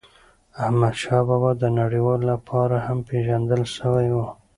احمدشاه بابا د نړیوالو لپاره هم پېژندل سوی و.